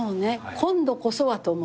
今度こそはと思って。